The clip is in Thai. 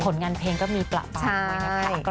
ผลงานเพลงก็มีประมาณใหม่นะครับ